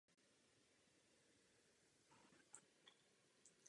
Svojí archeologickou činností se zasloužila o poznávání starých civilizací středních And.